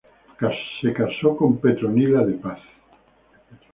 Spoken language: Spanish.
Casó con Petronila de Paz.